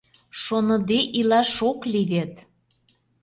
Шоныде илаш ок лий вет...